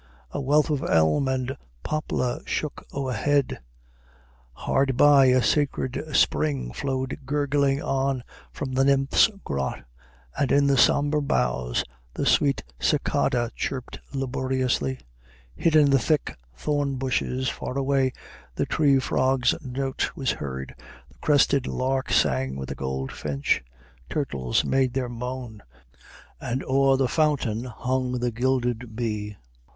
A wealth of elm and poplar shook o'erhead; Hard by, a sacred spring flowed gurgling on From the Nymphs' grot, and in the somber boughs The sweet cicada chirped laboriously. Hid in the thick thorn bushes far away The tree frog's note was heard; the crested lark Sang with the goldfinch; turtles made their moan; And o'er the fountain hung the gilded bee.